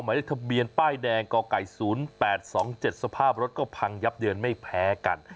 หมายเลขทะเบียนป้ายแดงกไก่๐๘๒๗สภาพรถก็พังยับเยินไม่แพ้กัน